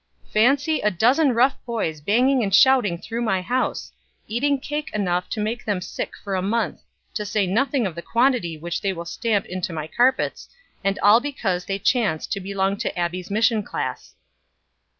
Fancy a dozen rough boys banging and shouting through my house, eating cake enough to make them sick for a month, to say nothing of the quantity which they will stamp into my carpets, and all because they chance to belong to Abbie's mission class!"